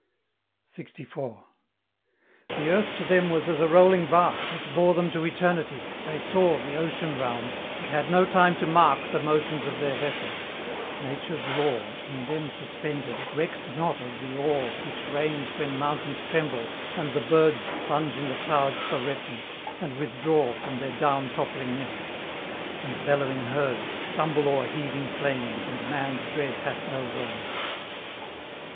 LXIV. The Earth to them was as a rolling bark Which bore them to Eternity; they saw The Ocean round, but had no time to mark The motions of their vessel: Nature's law, In them suspended, recked not of the awe Which reigns when mountains tremble, and the birds Plunge in the clouds for refuge, and withdraw From their down toppling nests; and bellowing herds Stumble o'er heaving plains, and man's dread hath no words.